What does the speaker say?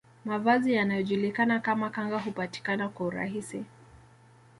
Mavazi yanayojulikana kama kanga hupatikana kwa urahisi